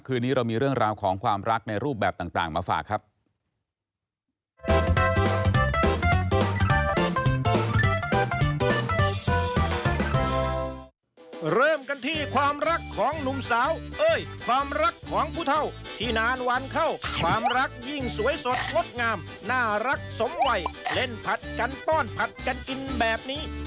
คืนนี้เรามีเรื่องราวของความรักในรูปแบบต่างมาฝากครับ